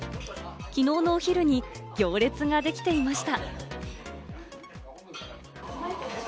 きのうのお昼に行列ができていました。